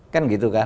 kan gitu kan